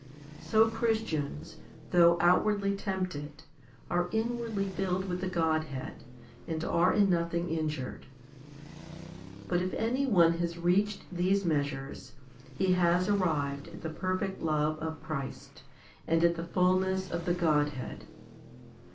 So Christians, though outwardly tempted, are in wardly filled with the Godhead, and are in nothing injured. But if any one has reached these measures, he has arrived at the perfect love of Christ, and at the fulness of the Godhead.